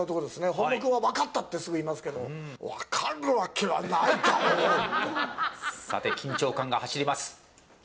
本間君は分かった！ってすぐ言いますけど緊張感が走ります。